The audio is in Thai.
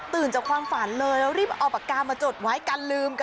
จากความฝันเลยแล้วรีบเอาปากกามาจดไว้กันลืมกัน